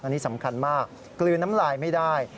อันนี้สำคัญมากกลืนน้ำลายไม่ได้